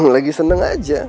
lagi seneng aja